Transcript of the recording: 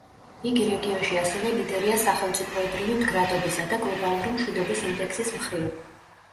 იგი რეგიონში ასევე ლიდერია სახელმწიფოებრივი მდგრადობისა და გლობალური მშვიდობის ინდექსის მხრივ.